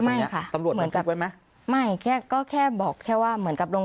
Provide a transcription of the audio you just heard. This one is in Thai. อ่ะค่ะตำรวจเหมือนกับไว้ไหมไม่แค่ก็แค่บอกแค่ว่าเหมือนกับลง